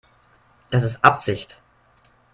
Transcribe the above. Das ist Absicht.